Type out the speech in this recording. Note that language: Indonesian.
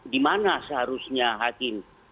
dimana seharusnya hakim